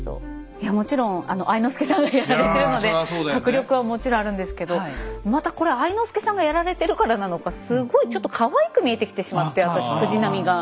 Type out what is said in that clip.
いやもちろん愛之助さんがやられてるので迫力はもちろんあるんですけどまたこれ愛之助さんがやられてるからなのかすごいちょっとかわいく見えてきてしまって私藤波が。